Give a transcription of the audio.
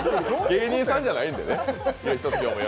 芸人さんじゃないんでね。